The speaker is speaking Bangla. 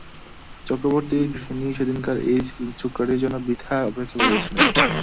চক্রবর্তী-গৃহিণী সেদিন এই ছোকরাটির জন্য বৃথা অপেক্ষা করিয়াছিলেন।